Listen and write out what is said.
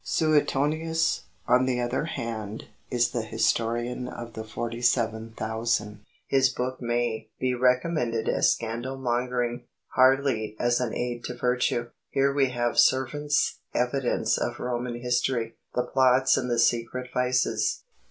Suetonius, on the other hand, is the historian of the forty seven thousand. His book may be recommended as scandalmongering hardly as an aid to virtue. Here we have the servants' evidence of Roman history, the plots and the secret vices.